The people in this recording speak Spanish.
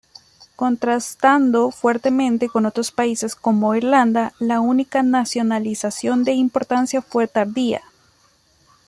Contrastando fuertemente con otros países como Irlanda, la única nacionalización de importancia fue tardía.